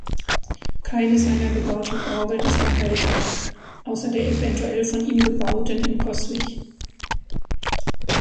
Keine seiner gebauten Orgeln ist erhalten (außer der eventuell von ihm gebauten in Coswig).